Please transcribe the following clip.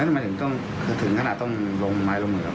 ไม่ต้องถึงขนาดต้องลงไมลมเหอะ